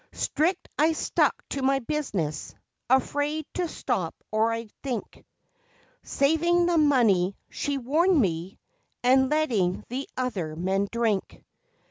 Strict I stuck to my business, afraid to stop or I'd think, Saving the money (she warned me), and letting the other men drink.